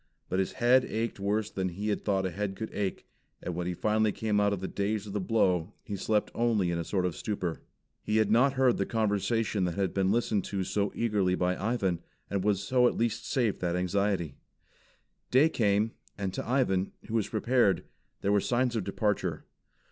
But his head ached worse than he had thought a head could ache; and when he finally came out of the daze of the blow, he slept only in a sort of stupor. He had not heard the conversation that had been listened to so eagerly by Ivan, and so was at least saved that anxiety. Day came, and to Ivan, who was prepared, there were signs of departure.